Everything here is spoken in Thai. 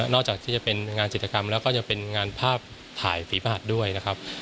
จากที่จะเป็นงานจิตกรรมแล้วก็จะเป็นงานภาพถ่ายฝีพระหัสด้วยนะครับ